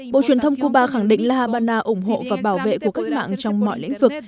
bộ truyền thông cuba khẳng định là habana ủng hộ và bảo vệ của các mạng trong mọi lĩnh vực